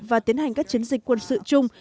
và tiến hành các chiến dịch quân sự chung